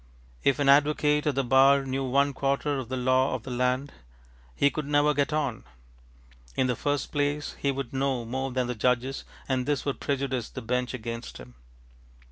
If an advocate at the bar knew one quarter of the law of the land, he could never get on. In the first place, he would know more than the judges, and this would prejudice the bench against him.